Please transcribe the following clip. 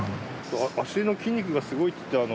脚の筋肉がすごいって。